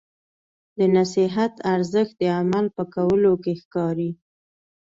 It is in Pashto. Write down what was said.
د نصیحت ارزښت د عمل په کولو کې ښکاري.